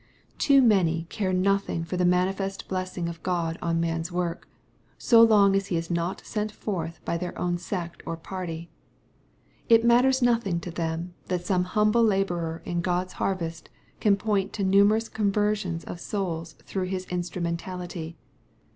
Too many care nothing for the manifest blessing of God on man's work, so long as he is not sent forth by their own sect or party. It matters nothing to them, that some humble laborer in God's harvest can point to numerous conversions of souls through his instrumentality.